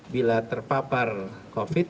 bila terpapar covid